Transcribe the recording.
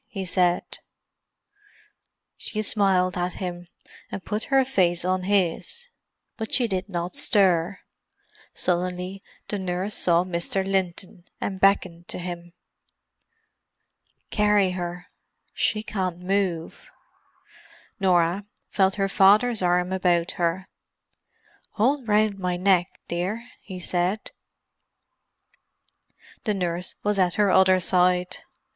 he said. She smiled at him, and put her face on his, but she did not stir. Suddenly the nurse saw Mr. Linton, and beckoned to him. "Carry her—she can't move." Norah felt her father's arm about her. "Hold round my neck, dear," he said. The nurse was at her other side.